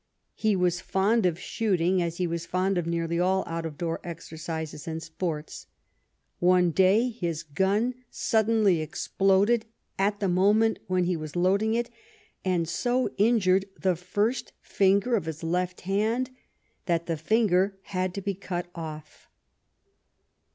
He was fond of shooting, as he was fond of nearly all out of door exercises and sports. One day his gun suddenly exploded at the moment when he was loading it, and so injured the first finger of his left hand that the finger had to be cut off.